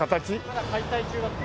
まだ解体中だと。